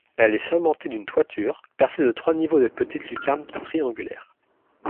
Elle est surmonté d'une toiture percée de trois niveaux de petites lucarnes triangulaires.